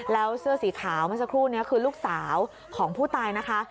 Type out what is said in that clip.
แล้วเสื้อสีขาวเมื่อสักครู่นี้คือลูกสาวของผู้ตายนะคะ